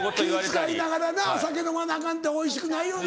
気ぃ使いながらな酒飲まなアカンっておいしくないよね。